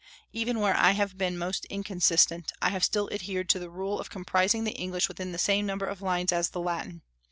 Even where I have been most inconsistent, I have still adhered to the rule of comprising the English within the same number of lines as the Latin.